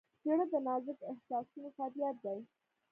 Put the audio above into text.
زړه د نازک احساسونو فریاد دی.